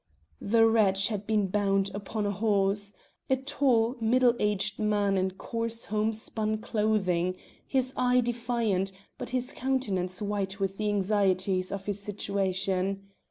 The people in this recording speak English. The wretch had been bound upon a horse a tall, middle aged man in coarse home spun clothing, his eye defiant, but his countenance white with the anxieties of his situation.